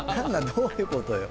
どういうことよ